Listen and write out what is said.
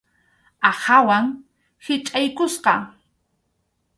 Aqhawan hichʼaykusqa.